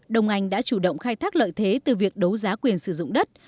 đồng ảnh đã chủ động khai thác lợi thế từ việc đấu giá quyền sử dụng đất